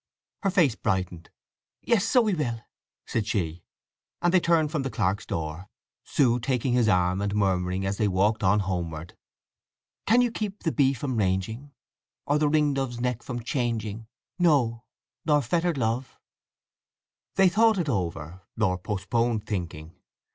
Her face brightened. "Yes—so we will!" said she. And they turned from the clerk's door, Sue taking his arm and murmuring as they walked on homeward: Can you keep the bee from ranging, Or the ring dove's neck from changing? No! Nor fetter'd love… They thought it over, or postponed thinking.